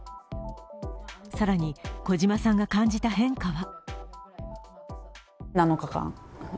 更に小島さんが感じた変化は。